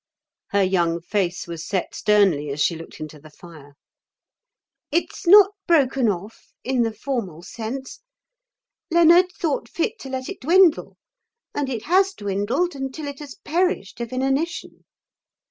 Her young face was set sternly as she looked into the fire. "It's not broken off in the formal sense. Leonard thought fit to let it dwindle, and it has dwindled until it has perished of inanition."